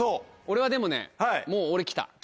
俺はでもねもう俺来た。